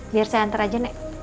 biar saya antar aja naik